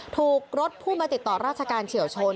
ถูกรถผู้มาติดต่อราชการเฉียวชน